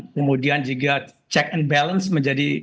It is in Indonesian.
kemudian juga check and balance menjadi